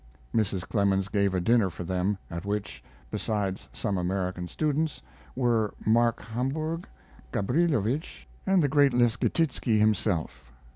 Mrs. Clemens gave a dinner for them, at which, besides some American students, were Mark Hambourg, Gabrilowitsch, and the great Leschetizky himself.